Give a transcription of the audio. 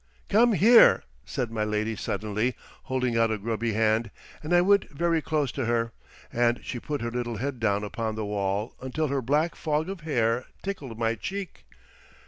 "Come here!" said my lady suddenly, holding out a grubby hand; and I went very close to her, and she put her little head down upon the wall until her black fog of hair tickled my cheek.